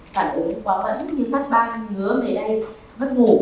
phản ứng quá mẫn như mắt ban ngứa về đây vất ngủ